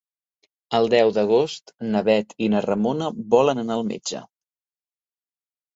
El deu d'agost na Bet i na Ramona volen anar al metge.